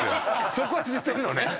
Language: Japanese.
そこは知ってるのね。